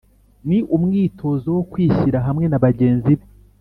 Ni umwitozo wo kwishyira hamwe na bagenzi be